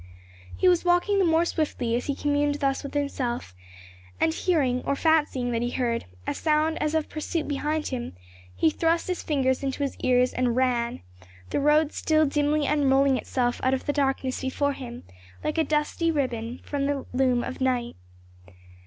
He was walking the more swiftly as he communed thus with himself, and hearing, or fancying that he heard, a sound as of pursuit behind him, he thrust his fingers into his ears and ran, the road still dimly unrolling itself out of the darkness before him like a dusky ribbon from the loom of night.